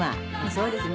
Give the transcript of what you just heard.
そうですね。